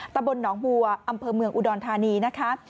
ตำบลหนองบัวอำเภอเมืองอุดรธานีนะคะ